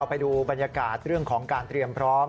ไปดูบรรยากาศเรื่องของการเตรียมพร้อม